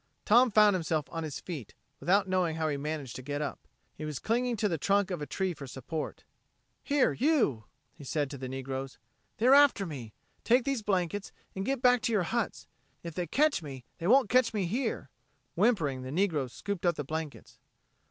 Tom found himself on his feet, without knowing how he managed to get up. He was clinging to the trunk of a tree for support. "Here, you," he said to the negroes. "They're after me. Take these blankets and get back to your huts. If they catch me they won't catch me here." Whimpering, the negroes scooped up the blankets.